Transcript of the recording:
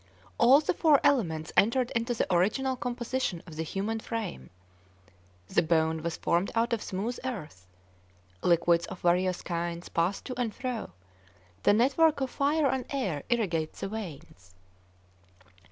All the four elements entered into the original composition of the human frame; the bone was formed out of smooth earth; liquids of various kinds pass to and fro; the network of fire and air irrigates the veins.